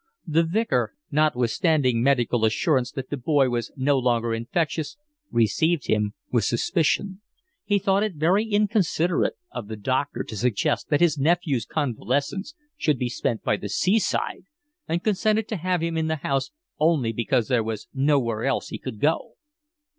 The Vicar, notwithstanding medical assurance that the boy was no longer infectious, received him with suspicion; he thought it very inconsiderate of the doctor to suggest that his nephew's convalescence should be spent by the seaside, and consented to have him in the house only because there was nowhere else he could go.